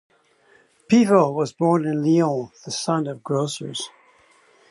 Pivot was born in Lyon, the son of grocers.